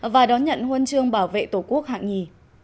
và đón nhận huân chương bảo vệ tổ quốc hạng nhì